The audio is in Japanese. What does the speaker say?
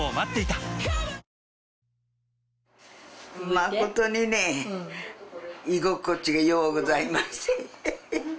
まことにね居心地がようございます